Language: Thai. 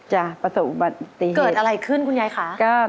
จ้ะประสบอุบัติเหตุคุณยายคะเกิดอะไรขึ้น